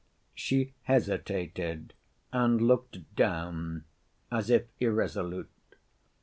She hesitated, and looked down, as if irresolute.